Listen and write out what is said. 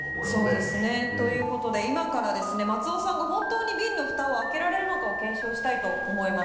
そうですね。ということで今からですね松尾さんが本当にビンのフタを開けられるのかを検証したいと思います。